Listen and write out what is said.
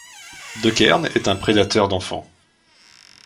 De Kern est un prédateur d’enfants.